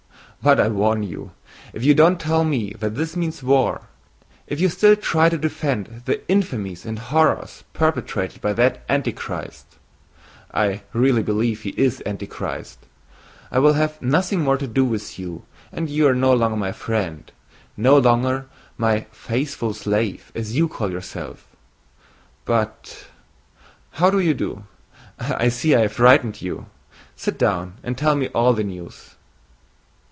But I warn you, if you don't tell me that this means war, if you still try to defend the infamies and horrors perpetrated by that Antichrist—I really believe he is Antichrist—I will have nothing more to do with you and you are no longer my friend, no longer my 'faithful slave,' as you call yourself! But how do you do? I see I have frightened you—sit down and tell me all the news."